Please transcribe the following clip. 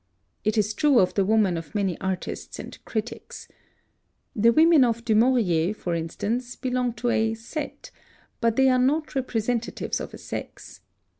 It is true of the woman of many artists and critics. The women of Du Maurier, for instance, belong to "a set," but they are not representatives of a sex.